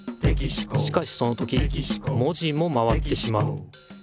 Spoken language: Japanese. しかしその時文字も回ってしまう。